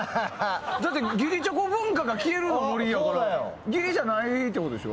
だって義理チョコ文化が消える森やから義理じゃないってことでしょ？